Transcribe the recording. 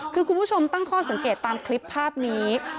คือคุณผู้ชมตั้งข้อสังเกตตามคลิปภาพนี้